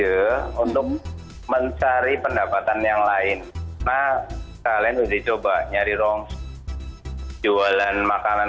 setelah itu kalian sudah mencari pendapatan yang lain nah kalian sudah coba nyari rongs jualan makanan keliling